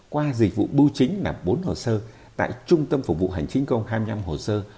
qua dịch vụ bưu chính là bốn hồ sơ tại trung tâm phục vụ hành chính công hai mươi năm hồ sơ